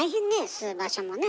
吸う場所もね。